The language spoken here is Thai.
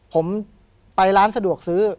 ผมไปร้านสะดวกซื้อ